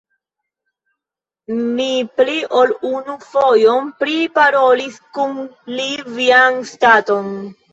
Mi pli ol unu fojon priparolis kun li vian staton.